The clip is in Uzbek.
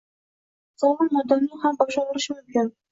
Sog‘lom odamning ham boshi og‘rishi mumkin.